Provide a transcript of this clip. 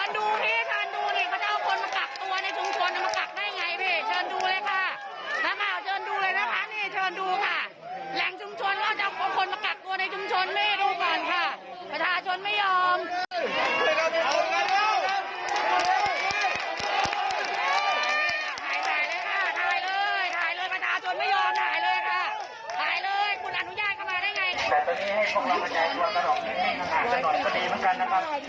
แต่ตอนนี้ให้พวกเราเข้าใจตัวตลอดอย่างงี้ทางหาสะดดก็ดีเหมือนกันนะครับ